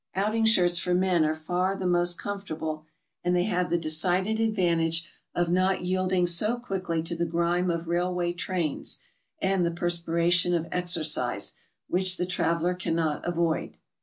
Outing shirts for men are far the most comfortable, and PERSONALITIES. 227 they have the decided advantage of not yielding so quickly to the grime of railway trains and the perspiration of exer cise, which the traveler cannot avoid.